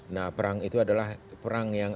nah perang itu adalah perang yang